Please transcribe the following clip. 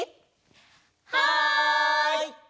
はい！